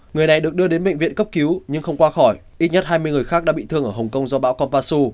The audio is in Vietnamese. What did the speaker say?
người này được đưa đến bệnh viện cấp cứu nhưng không qua khỏi ít nhất hai mươi người khác đã bị thương ở hồng kông do bão kopasu